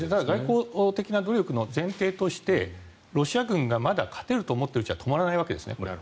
外交的な努力の前提としてロシア軍がまだ勝てると思っているうちは止まらないわけですね。